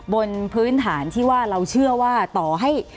บนพื้นฐานที่ว่าเราเชื่อว่าต่อให้